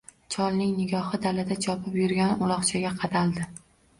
Cholning nigohi dalada chopib yurgan uloqchaga qadaldi